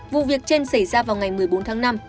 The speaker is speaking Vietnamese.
vụ việc trên xảy ra vào ngày một mươi bốn tháng năm